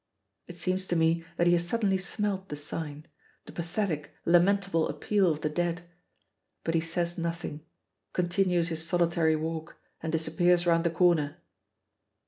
It seems to me that he has suddenly smelt the sign the pathetic, lamentable appeal of the dead. But he says nothing, continues his solitary walk, and disappears round the corner.